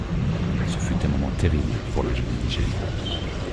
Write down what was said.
Ce fut un moment terrible pour la jeune indigène.